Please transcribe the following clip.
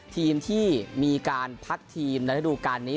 ทีมที่มีการพักทีมในระดูการนี้